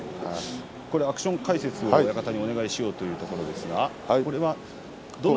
アクション解説を親方にお願いしようというところですが。